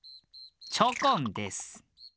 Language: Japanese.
チョコンです。